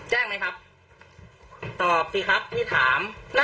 แจ้งไหมครับ